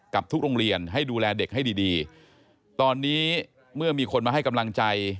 กับทุกโรงเรียนให้ดูแลเด็กให้ดีดีตอนนี้เมื่อมีคนมาให้กำลังใจ